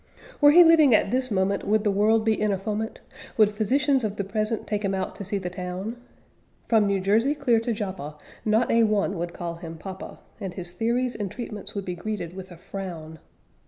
Were he living at this moment, would the world be in a foment? Would physicians of the present take him out to see the town? From New Jersey clear to Joppa not a one would call him "Papa," and his theories and treatments would be greeted with a frown.